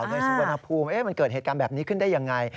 ในสุวรรณภูมิมันเกิดเหตุการณ์แบบนี้ขึ้นได้ยังไง